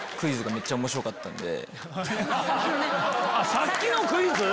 さっきのクイズ！